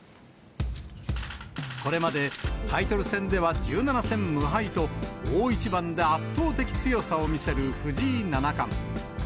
これまで、タイトル戦では１７戦無敗と、大一番で圧倒的強さを見せる藤井七冠。